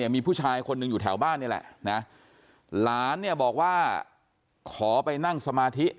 มีผู้ชายคนหนึ่งอยู่แถวบ้านนี่แหละนะหลานเนี่ยบอกว่าขอไปนั่งสมาธิ